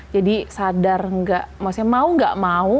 jadi sadar nggak maksudnya mau nggak mau